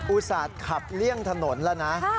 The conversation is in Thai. อุโสตขับเลี่ยงถนนแล้วนะ